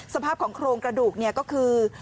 สภาพของโครงกระดูกก็คือ